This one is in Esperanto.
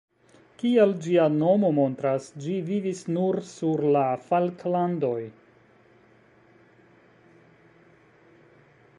Kiel ĝia nomo montras, ĝi vivis nur sur la Falklandoj.